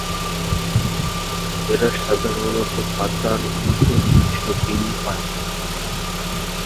এরা সাধারণত পাতার উল্টো পিঠে ডিম পাড়ে।